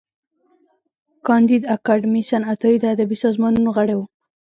کانديد اکاډميسن عطايي د ادبي سازمانونو غړی و.